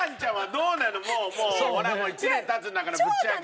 ほらもう１年経つんだからぶっちゃけ。